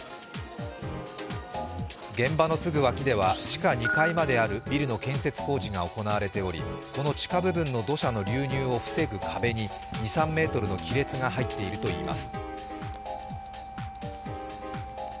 現場のすぐ脇では地下２階まであるビルの建設工事が行われており、この地下部分の土砂の流入を防ぐ壁に２３ｍの亀裂が入っているといいます。